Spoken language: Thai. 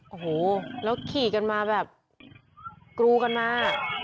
โอ้โหแล้วขี่กันมาแบบกรูกันมา